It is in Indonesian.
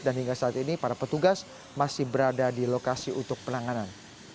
dan hingga saat ini para petugas masih berada di lokasi untuk penanganan